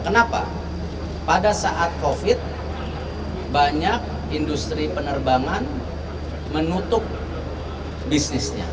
kenapa pada saat covid banyak industri penerbangan menutup bisnisnya